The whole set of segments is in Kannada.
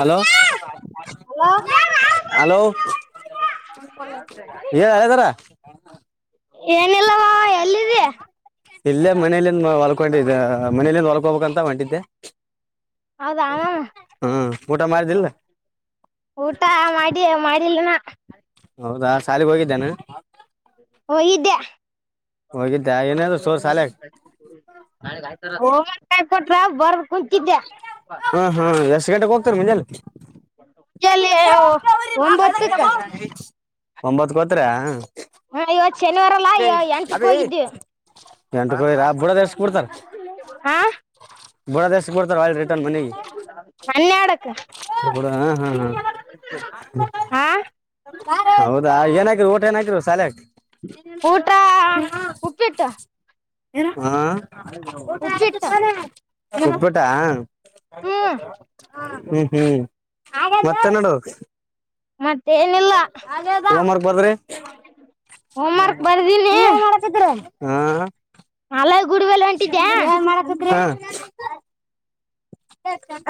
ಹಲೋ ಹಲೋ ಹಲೋ ಏ ಹೇಳತಾರ ಏನಿಲ್ಲ ಮಾವ ಎಲ್ಲಿದಿ ಇಲ್ಲ ಮನೆಲ್ಲ ಹೊಲ್ಕೊಂಡಿದ್ದೆ ಮನಲಿಂದ ಹೊಲ್ಕೋಬೇಕಂತ ಹೊಂಟಿದ್ದೆ ಅದ ಹ್ಮ್ ಊಟ ಮಾಡಿದಿಲ್ಲ ಊಟ ಮಾಡಿ ಮಾಡಿಲ್ಲನ ಹೌದಾ ಶಾಲಿಗೆ ಹೋಗಿದ್ದೇನೆ ಹಾ ಹೋಗಿದ್ದೆಯ ಹೋಗಿದ್ದೆ ಏನಾದ್ರು ಸೋರ್ ಶಾಲೆಗೆ ನಾಳೆಗೆ ಆಯ್ತ ರ ಹೋಗ್ಯಾರ ಪಾ ಕೊಟ್ರ ಬರ್ ಕುಂತಿದ್ದೆ. ಹಾ ಹಾ ಎಸ್ ಥೇಟರ ಗೊತ್ತಲ್ಲ ಚಲ್ಲಿ ಒಂಬತ್ತಕ್ಕ ಒಂಬತ್ ಕೊತ್ರ ಹಾ ಇವತ್ತು ಶನಿವಾರಲ್ಲಾ ಎಂಟಕ್ ಹೋಗಿದ್ದ್ವಿ ಎಂಟಿ ಹಾ ಬಳದೇಶ ರಿಟನ್ ಮನಗೆ ಹನ್ನೆರಡಕ್ ಹಾ ಹ ಹೌದಾ ಏನ ಊಟ ಏನ ಊಟ ಹಾಕಿದರ ಸಾಲೆಯಾಗ ಊಟ--ಉಪ್ಪಿಟ್ಟ ಹಾ ಹ ಕಊಟ ಆಯ್ತು ಉಪ್ಪಿಟ್ಟು ತಾನೇ ಉಪ್ಪಿಟ್ಟ [inaudible] ಹ್ಮ್ ಹ್ಮ್ ಹ್ಮ್ ಮತ್ತೆ ನಡುವ ಮತ್ತೆ ಏನಿಲ್ಲ ನೀವ ಏನ ಮಾಡ್ಕತಿದಿರಿ ಹ್ಮ ಅಲೆ ಗುಡಿ ಮೇಲೆ ಹೊಂಟಿದ್ದೆ ಏನಮಾಡ್ಕತಿರಿ [inaudible] [inaudible]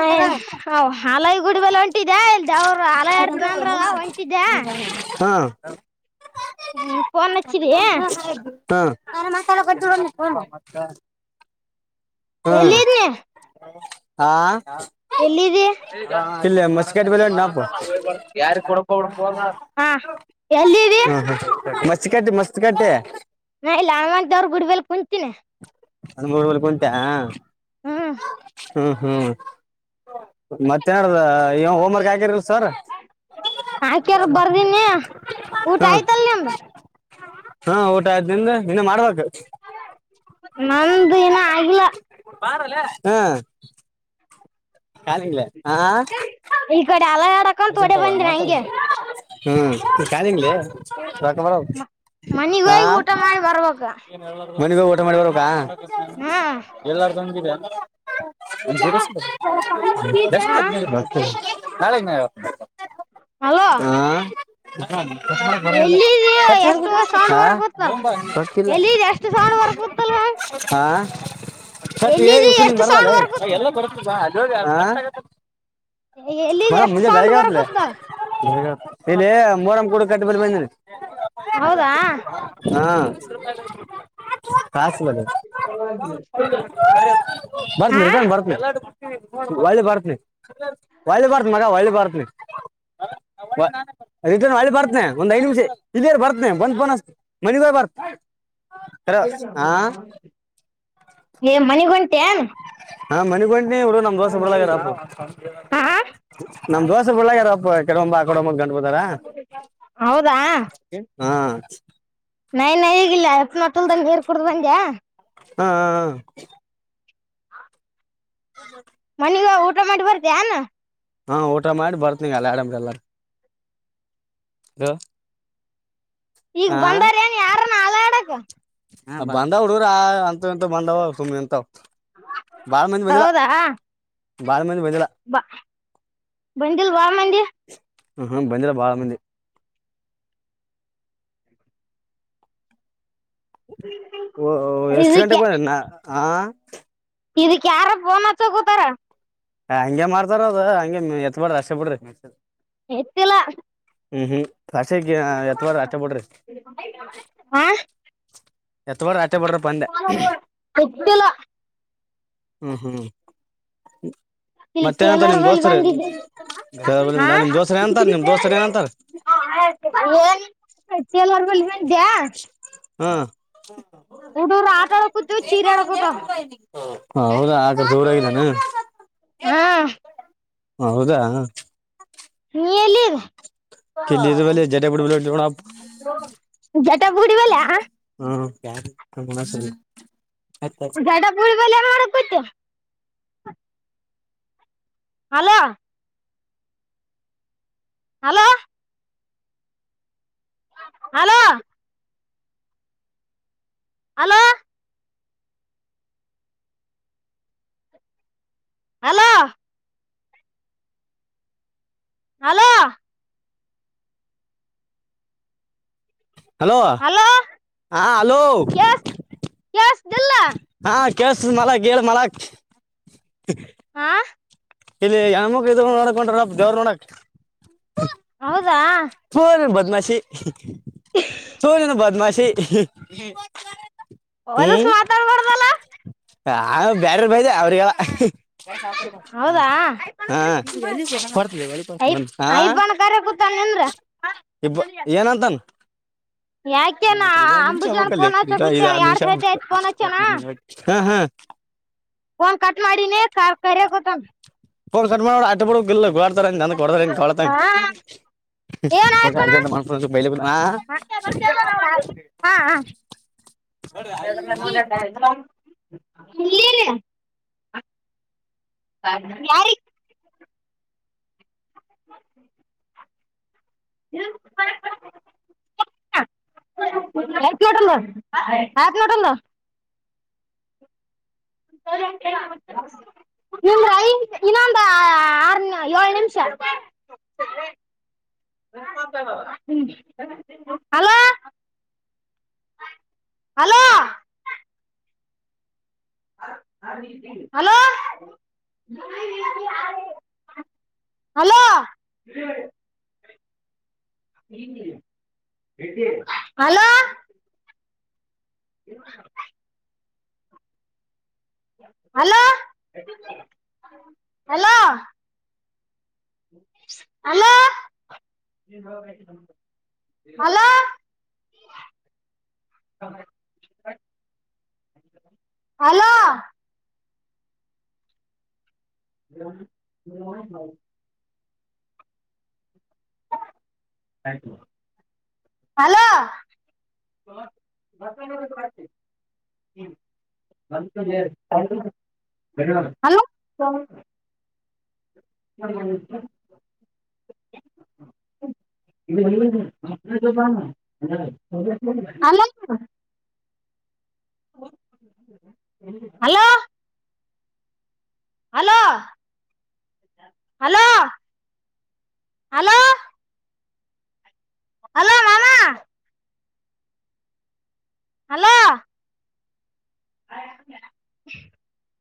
ಅಯ ಹ ಹಲೈ ಗುಡಬಲೆ ಹೊಂಟಿದ್ಯಾ ಇಲ್ದ ಅವ್ರ ಹಲ ಆಡ್ತನ ಅಂದ್ರ ಹೊಂಟಿದ್ಯಾ ಹ ಫೋನ್ ಹಚ್ಚಿದಿ ಮಸಾಲ ಕ ಹ್ಮ್ ಹಾ ಎಲ್ಲಿದೆ ಹಾ ಇಲ್ಲ ಮಸ್ಕಟ್ ಬಲಿ ಉಂಟಪ್ಪ ಮ ಕಟ್ಟೆ ಮಸ್ತ್ ಕಟ್ಟೆ ನಾ ಇಲ್ಲವ್ರರು ಗುಡಲ್ ಕುಂತಿನಿ ಹದಮರ್ಲ್ ಉಂಟಾ ಹಾ ಹ್ಮ್ ಹ್ಮ್ ಮತ್ತೇಏನಡದ ಇವ ಹೋಮ್ವರ್ಕ್ ಆಗಿರ ಆಕ್ಯಾರ ಬರ್ದನಿ ಊಟ ಹ್ಮ ಆಯ್ತಲ್ ನಿಮ್ದ ಹಾ ಊಟ ಆಯ್ದಿಂದ ಇನ್ನ ಮಾಡ್ಬೇಕು ನ್ದು ನ ಆಗಲ್ಲ ಮಾಡಾರಲ್ಲ [unintelligible] ಹ್ಮ ಕಾಲಿಲ್ಲ ಈ ಕಡೆ ಅಲ ಎಡಕಲ್ ತೋಡೆ ಬಂದಿ ಹಂಗೆ ಹ್ಮ್ ಕಾದಂಗ ಮ ಮನಗ ಹೋಗ ಊಟ ಮಾಡಿ ಬರ್ಬಕ ಮನಿಗೋಗ ಊಟ ಮಾಡಿ ಬರಬೇಕಾ ಎಲ್ಲಾರ್ [inaudible] ಜರ ಹ ಹಾ [inaudible] ಮತ್ತೆ [unintelligible] ನಾಳೆಗ್ ಹಲೋ ನ [inaudible] ಎಲ್ಲಿದ ಎಷ್ಟು ಸೌಂಡ್ ಹಾ ವರ್ಕ್ತಲ್ ಹೋಗ್ಬಾ. ಗೊತ್ತಿಲ್ಲ ಎಲ್ಲ ಎಷ್ಟು ಸೌಂಡ್ ವರ್ಕ್ತಲ್ವಾ ಹಾ ಸಟ್ ಎಲ್ಲಿದ್ದ ಎಷ್ಟ್ ಸೌಂಡ್ ಬರ್ಕತ್ [unintelligible] ಅ ಎಲ್ಲಿಗೆ ಎಷ್ಟ್ ಸೌಂಡ್ ಬರ್ಗತ್ತ ಇಲ್ಲಿ ಮೋರಮ ಕಡ ಕಟ್ಟ ಬರ್ ಬಂದರಿ ಹೌದಾ ಕಾಸು ಬಲ್ಲಿ ಹಾ ಹೋಳ್ಳಿ ಬರ್ತನಿ ಹೊಳಿ ಬರ್ತ ಮಗ ಒಳ್ಳೆ ಬರ್ತನಿ ರಿಟರ್ನ್ ಒಳ್ ಬರ್ತನನೆ ಒಂದ್ ಐದ್ ನಿಮಿಷ ಇರ್ ಬರ್ತನ ಬಂದ ಬ ಮನಗ ಹೋಗಿ ಬರ್ತ ಹೇಳ ಹ ಹ ಏ ಮನಿಗ ಹೊಂಟಿ ಯಾನ? ಹಾ ಮನೆಗ ಹೊಂಟ. [unintelligible] ನಮ್ ದೋಸ್ತರ ಬಿಡಲಾಗ್ಯಾರಪ್ಪ ಹಾ ನಮ್ ದೋಸ್ತ ಬಿಡಲ್ಲಗಾರಪ್ಪ ಈಕಡೆ ಹೋಗೋಮ ಬಾ ಆಕಡೆ ಹೋಗೋಮ ಬಾ ಅಂತ ಗಂಟ ಬಿದಾರ ಹೌದಾ ಹಾ. ನೈನ್ [unintelligible] ನೀರ್ ಕುಡ ಬಂದ್ಯಾ. ಹಾ ಹ ಹ. [inaudible] [inaudible] ಮನಿಗ ಹೋಗಿ ಊಟ ಮಾಡಿ ಬರ್ತಿ ಯಾನ. ಹಾ ಊಟ ಮಾಡಿ ಬರ್ತನ ಈಗ. [unintelligible] ಈಗ ಬಂದಾರ ಏನ್ ಯಾರನ್ ಹಾಡ ಹಾಡಾಕ್. ಬಂದರಾ ಹುಡುಗ್ರ ಅ. [unintelligible] ಸುಮ ನಿಂತಾವ ಎಂತ ಬಾಳ ಮಂದಿ ಬಂದಿಲ್ಲ ಹೌದಾ ಬಾಳ ಮಂದಿ ಬಂದಿಲ್ಲ. ಬಾ ಬಂದಿಲ್ ಬಾ ಮಂದಿ ಹ ಹ್ಮ ಬಂದಿಲ್ಲ ಬಾಳ ಮಂದಿ. ಓ ಎಷ್ಟ ಗಂಟೆಗೆ ಇದಕ್ಕೆ ಬಂದೇ ನಾ. ಆ. ಇದಕ್ ಯಾರ ಫೋನ್ ಹಚ್ಚ ಕುತ್ತಾರ. ಏ ಹಂಗೆ ಮಾಡ್ತಾರ ಅದ ಹಂಗೆ ಎತ್ ಬಿಡ್ರಿ ಅಷ್ಟ ಬಿಡ್ರಿ. ಎತ್ತಿಲ್ಲ. ಹ್ಮ್ ಹ್ಮ. ಅಷ್ಟಕ ಎತ್ತ ಬ್ಯಾಡರಿ ಅಷ್ಟ ಬಿಡ್ರಿ. ಹಾ ಎತ್ತ ಬ್ಯಾಡ. ಎತ್ತಿಲ್ಲ. ಹ್ಮ್ ಹ್ಮ್. ಈ ಮತ್ತೇನಂತ ಟೇಲರ್ ನಿಮ್ ಬಲಿ ದೋಸ್ತರು ಬಂದಿದ್ದ ಹ ನಿಮ್ ದೋಸ್ತರ್ ಏನಂತಾರ ನಿಮ್ ದೋಸ್ತರ್ ಏನಂತಾರ ಏನ [unintelligible] ಟೇಲರ್ ಬಲಿ ಬಂದಿದ್ಯಾ ಹಾ ಹುಡರು ಆಟ ಆಡಕತಿದ್ದು ಚೀರ ಕತ್ತವ. ಹ. ಹಾ ಹೌದಾ ಹಂಗರ. [unintelligible] ಹಾ. ಹೌದಾ. ನೀ ಎಲ್ಲದೀ. ಕಿಲ್ಲಿ ಇದ ಬಲ್ಲಿ ಜಡೆ ಬಿಡ್ಬ ಜಟಪ್ಪಾ ಗುಡಿ ಬಲಿಯ. [unintelligible] ಜಟಪ್ಪಾ ಗುಡಿ ಬಲಿ ಏನ ಮಾಡಕ್ಕ ಕೂತ್ಯ. Hello hello. Hello. Hello. Hello. Hello. Hello ಹಾ ಹಲೋ. ಕೇಸ್ ಕೇಳಿಸ್ತಿಲ್ಲ ಹ [inaudible] ಕೆಸ ಮಲ ಗಗೆಳ ಮಲ [inaudible] ಹಾ ಇಲ್ಲಿ ಯಮ್ಮಕ್ ಇದ ನೋಡಕ ಹೊಂಟರ ದೇವರ್ ನೋಡಕ್ ಹೌದಾ ಬ ಬ [inaudible] [inaudible] ಸೂನೆನು ಬದ್ಮಾಶಿ ಹ್ಮ [inaudible] ಒನ್ಸ ಮಾತಾಡ್ಬಾರ್ದಲ್ಲ ಬ್ಯಾರರ್ ಬೈದ ಅವ್ರಿಗೆ ಹೌದಾ ಯಲ್ಲ ಐಫ್ ಹ ಐಫೋನ್ ಕರೆ ಕೂತಾನ ನಿಂದ್ರ ಇಬ ಏನಂತನ್ ಯಾಕೇನಾ ನಿಮಿಷ ಅಂಬುಜನ್ ಆಗ್ಬೇಕಲ್ಲ ಪೋನ್ ಹ ಇದ ಐದ್ ಗತ್ತೇ ಆರು ಯಾರ್ ನಿಮಿಷ ಸಹಿತ ಆಗ್ಬೇಕ ಆಯ್ತ ಫೋನ್ ಹಚ್ಚನಾ ಹಾ ಹಾ ಫನ್ ಕಟ್ ಮಾಡಿನತ್ತ ಕ ಸರ್ ಆಟೆು ಗಲ್ಲ ಗು [inaudible] ನ ಕೊಡತ ಕೊಳತ ಹಾ ಏನ್ ಆಯ್ತಣ ಅರ್ಜೆಂಟ್ ಮನ್ಸ ಬ ಹಾ ಹಾ [inaudible] ಹ ಯಾರಿ ಹ [inaudible] ಆಟಲ್ಲ [unintelligible] ಐ ಇನ್ನೊಂದು ಆರ್ ಏಳು ನಿಮಿಷ hello hello hello hello hello E [inaudible] hello hello hello hello hello [unintelligible] ಮ hello hello hello hello hello hello ಮಾಮಾ ಹಲೋ ಹ [inaudible]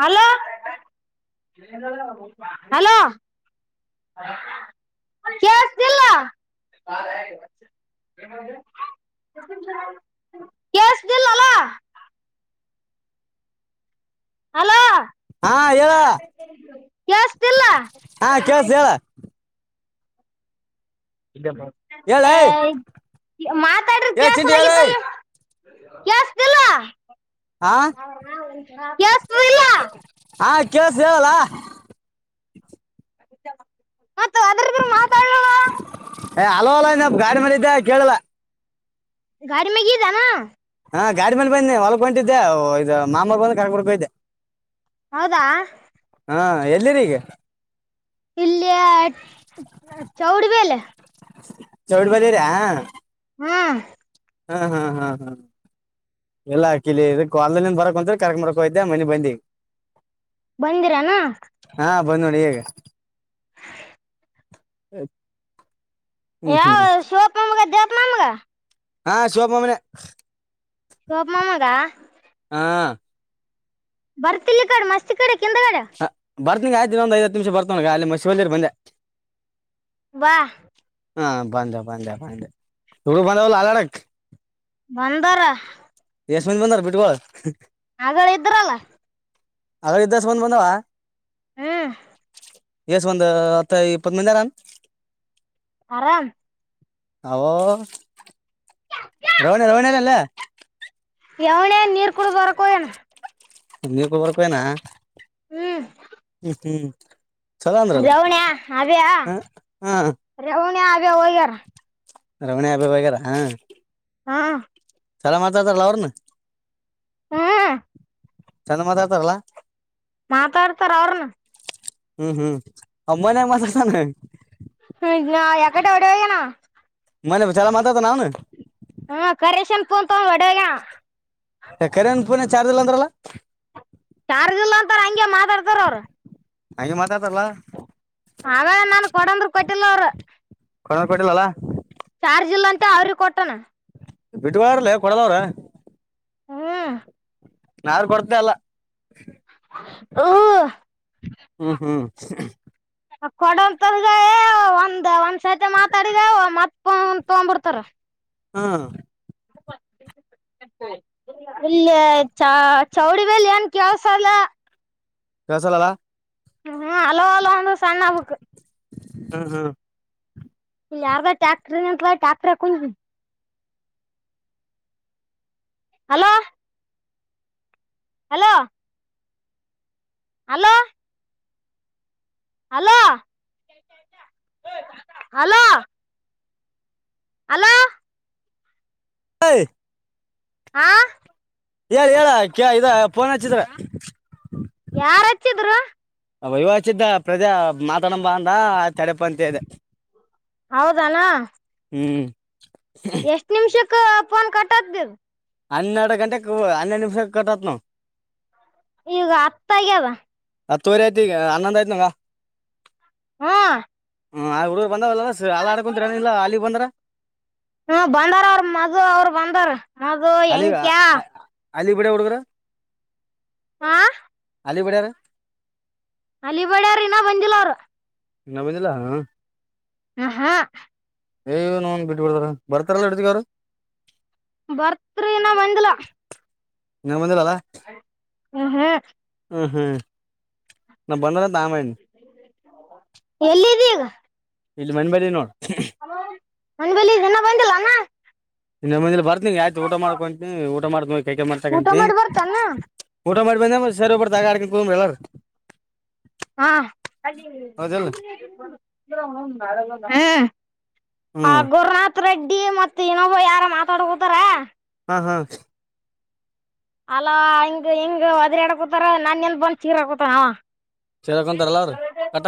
ಹಲೋ ಹಲೋ ಅಲೋ ಹಾ ಹೇಳ ಕೇಳಿಸ್ತಿಲ್ಲ ಹಾ ಕೇಳ್ಸ್ ಹೇಳ ಹೇಳ ಏ ಹೆ ಮಾತಾಡ್ರ ಚಿಂಟಿ ಹೇಳ ಕಸಲಗತ್ತ್ಯ ಕೇಳಿಸ್ತಿಲ್ಲ ಹಾ ಕೇಳಿದ್ದು ಇಲ್ಲ ಕೇಳಿಸ್ತಿದ ಹೇಳಲಾ [unintelligible] ಅದ್ರದ್ರ ಮಾತಾಡೋಣ [unintelligible] ಏ ಅಲೋ ಅಲ ನೀ ಗಾಡಿ ಮಿದ್ದ ಕೇಳಲ ಗಾಡಿ ಮಗ ಇದ್ದಾನ ಹಾ ಗಾಡಿ ಮೇಲ ಬನ್ನಿ ಹೊಲಗ ಹೊಂಟಿದ್ದೆ ಇದು ಮಾಮ ಬಂದು ಕರ್ಬಡ್ಕೋ ಇದ್ದೆ ಹೌದಾ ಹಾ ಎಲ್ಲಿರಿಗ ಇಲ್ಲಿ ಚೌರಿ ಬಲೆ ಚೌಡ್ ಬಲಿರ ಹ್ಮ್ ಹಾ ಹಾ ಹಾ ಹಾ ಎಲ್ಲಾ ಕಿಲಿ ಕಲ್ದಲ್ಲಿದ ಬರಕ್ತ್ರ ಕರ್ಕಂಬರಕ ಹಯ್ತ ಮನೆ ಬಂದಿ ಬಂದಿರಾನ ಬ್ಂದ ನೋಡಿ ಹೀಗ ಹ್ಮ ಹ್ಮ್ ಹ್ಮ್ ನಮಗ ಹಾ ಶಿವಪ್ಪ ಮಮಾನೆ ಶಿವಪ್ಪ ಮಮಾಗ ಬರ್ತಿಲ್ಲಿಕ ಮಸ್ತೀ ಕಡೆ ಕಿಂದಗಡೆ ಹ ಬರ್ತನಿ ಆಯ್ತು ಒಂದು ಐದು ಹತ್ತು ನಿಮಿಷ ಬರ್ತವನಗ ಅಲ್ಲಿ ಶಿವಲ್ಯರ್ ಬಂದೆ ಬಾ ಹಾ ಬಂದ ಬಂದೆಬಂದೆ ಬಂದೆ ಹಾಲಾಡಿ ಬಂದಾರ ಎಸ್ಟೋದು ಬಂದಾರ ಬಿಟ್ಗೋಳ ಹಾಗಳ ಇದ್ರಲ್ಲ ಹಾಗದಿಸವ ಬಂದವ ಹ್ಮ ಎಸ್ ಒಂದ ಹತ್ತ ಇಪ್ಪತ್ ಮಂದರನ್ ಆರಾಮ ಓಹೋ ರೋಣ ರೋಹಣರ ಅಲ್ಲ ಯವನೇ ನೀರು ಕುಡದುವರಕ್ಕೋಯಣ ನೀರ್ ಕೊಯೋಕೆ ಹೋಗನಯ್ಕ್ ಹ್ಮ ಹ್ಮ್ ಚಲೋ ಅಂದ್ರಲ್ಲ ರೌಣಿಯ ಆ್ಯಯಾ ಹ ಹಾ ರವಣಿಯ ಹೋಗ್ಯಾರ ರವಣಿ ಆಬೆ ಹೋಗ್ಯಾರ ಹಾ ಚಲ ಮಾತರ ಅವ್ರನ್ನು ಹ್ಮ. ಚಂದ ಮಾತಾಡ್ತಾರಲ್ಲ. ಮಾತಾಡ್ತರಾ ಅವರುನು. ಹ್ಮ್ ಹ್ಮ್ ಅಮ್ಮನೆ ಮಾತಾಡ್ತಾ ಎಕಡೆ ಹೊಡೇಹೋಗ್ಯಾನ್ ಅವ. [unintelligible] ಹ್ಮ ಕರೆೇಶಂಪೂಂತ ಒಡೆಹೊಗ್ಯಾನ್ ಅವ್ವ. ಕರೆನ್ ಪೋನ್ ಚಾರ್ಜ್ ಇಲ್ಲಂದ್ರಲ್ಲ. ಚಾರ್ಜ್ ಇಲ್ಲ ಅಂತಾರ ಹಂಗೆ ಮಾತಾಡ್ತಾರ ಅವ್ರರು. ಹಂಗೆ ಮಾತಾತರಲ್ಲ. ಆಗಳೆ ನಾನ್ ಕೊಡಂದ್ರ ಕೊಟ್ಟಿಲ್ಲ ಅವರು. ಕೊರಕೋಟ್ಟಿಲ್ಲ ಅಲ್ಲಾ ಚಾರ್ಜ್ ಇಲ್ಲ ಅಂತ ಅವ್ರಿಗೆ ಕೊಟ್ಟನಾ. ಬಿಟ್ಟಿವಿಳಾ ಅವ್ರೂ ಕೊಡಲ್ಲ ಅವ್ರು. ಹ್ಮ. ಯಾರ್ ಕೊಡ್ತಾ ಇಲ್ಲ್. ಹ್ಮ ಹ್ಮ್ ಹ್ಮ್. ಕೊಡಂತದ ಒಂದ ಒಂದ- ಸತೆ ಮಾತಾಡಿದವು ಮತ್ತ ಫೋನ್ ತೊಂಬಡ್ತಾರ. ಹ್ಮ. ಇಲ್ಲ ಚ ಚೌಡಿ ಬಲ್ಲಿ ಏನ್ ಕೆಲ್ಸ ಅಲ್ಲ. [unintelligible] ಹ್ಮ್ ಹಲೋ ಹಲೋ ಅಂದ ಸಣ್ಣಾಆಗ್ಬೇಕು. ಹ್ಮ್ ಹ್ಮ್. ಯಾರದ ಟ್ಯಾಕ್ಟ್ರನಿಂತದ. ಟ್ಯಾಕ್ಟರ್ ಕು hello. Hello. Hello. Hello, hello. Hello. Hi ಆ, ಹೇಳ್, ಹೇಳ್ ಕ ಇದ ಫೋನ್ ಹಚ್ಚಿದ್ರ. ಯಾರ ಹಚ್ಚಿದ್ರು. ಅವ ಇವ ಪ್ರದೆ ಹಚ್ಚಿದ ಮಾತಾಡಮ್ಮ್ ಬಾ ಅಂದ ತಡೆಪ ಅಂತ ಹೇಳ್ದೆ. ಹೌದಾನ. ಹ್ಮ. ಎಷ್ಟ್ ನಿಮಿಷ ಕ, ಫೋನ್ ಕಟ್ಟ ಆತದ ಇದು. ಹನ್ನೆರಡು ಗಂಟೆಗೆ, ಹನ್ನೆರಡು ನಿಮಿಷ, ಕಟ್ಟಆತದ ನೋಡು. ಈಗ ಹತ್ತ ಆಗ್ಯದ. ಹತ್ತುವರಿ ಆಯ್ತ, ಈಗ ಹನ್ನೊಂದು ಆಯ್ತ್, ನೋಡಗ ಹ್ಮ. ಹ್ಮ ಆಗು ಬಂದಲ್ಲ ಹ ಆಡ್ಕೊರಲ್ಲ ಅಲ್ಲಿ ಬಂದ್ರ ಹೋ ಎಂಕ್ಯಾ ಅಲಿ ಬಿಡ ಹೂಡುಗರ ಆ ಅಲಿ ಬಡ್ಯ ರ ಅಲ್ಲಿ ಬಡ್ಯ್ರ ಇನ್ನ ಬಂದಿಲ್ಲ ಅವರು ನ ಬಜಲ ಹಾ ಹ ಹಾ ಯ [inaudible] ಬಿಟ್ಬಡ್ತಾರ ಬರ್ತಾರಲ್ಲ ಹಡತಗಾರ ಬರ್ತ್ರಿನಾ ಬಂದಿಲ್ಲ ಹ್ಮ ಮಂದರ ಅಲ್ಲ ಹ ಹಾ ಹ್ಮ್ ಹ್ಮ್ ನಾ ಬ ಎಲ್ಲಿದ ಈಗ ಇಮನ್ಂಬಲ ನೋಡ್ ಅ [inaudible] ನಂದ್ ಬಳಿ ಜನ ಬಂದಿಲ್ಲಣ ಇನ್ನಮ್ಮಂದ ಬ ಯಯ್ ಊಟ ಮಾಡ ಕೊಂ [inaudible] ಮಾಡತ ಕೈಕ ಊಟ ಮಾಡ್ತಕಂತ ಮಾಡಿ ಬರ್ತಾನ ಊಟ ಮಾಡಿ ಬಂದ ಸರ್ ಒಬ್ಬರ್ ತಾಗ ಆಡ್ಕೊಂಡ ತ ಹೇಳರ್ ಹ ಹ [unintelligible] ಹ್ಮ್ ಪಗುರಾತ್ ರೆಡ್ಡಿ ಮತ್ ಇನ್ನೊಬ್ ಯಾರ ಮಾತಾಡ್ ಕೋತಾರ ಹಾ ಹಾ ಅಲ ಹಿಂಗ ಹಿಂಗ ಹದ್ರಾಡ್ಕೊತಾರ ನಾನ ಎಲ್ ಬಂದ್ ಚೀರಕೂತಾನ ಸರಕೊ ತರಲ್ಲ ಕಟ